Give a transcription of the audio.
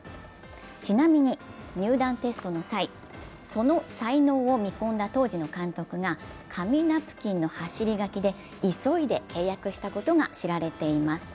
ちなみに、入団テストの際、その才能を見込んだ当時の監督が紙ナプキンの走り書きで急いで契約したことが知られています。